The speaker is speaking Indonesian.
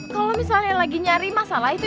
kalau misalnya lagi nyari masalah itu